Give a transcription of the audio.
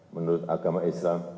menurut agama islam